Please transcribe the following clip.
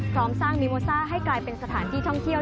พร้อมสร้างนิโวซ่าให้กลายเป็นสถานที่ท่องเที่ยว